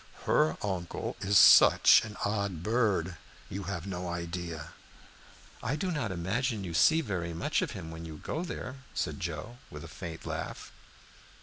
"Her uncle is such an odd bird, you have no idea." "I do not imagine you see very much of him when you go out there," said Joe, with a faint laugh.